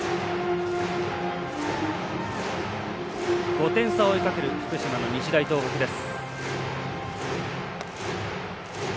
５点差を追いかける福島の日大東北です。